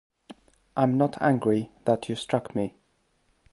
I’m not angry that you struck me.